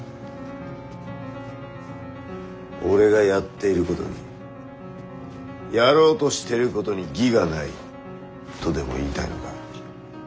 俺がやっていることにやろうとしてることに義がないとでも言いたいのか？